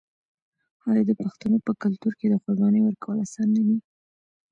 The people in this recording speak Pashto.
آیا د پښتنو په کلتور کې د قربانۍ ورکول اسانه نه دي؟